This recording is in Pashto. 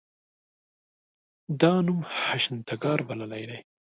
دا نوم هشتنګار بللی دی.